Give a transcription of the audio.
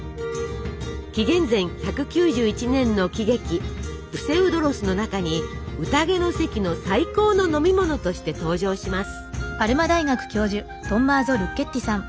紀元前１９１年の喜劇「プセウドロス」の中にうたげの席の「最高の飲み物」として登場します。